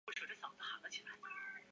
毕业于河北省馆陶县滩上中学。